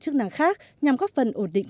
chức năng khác nhằm góp phần ổn định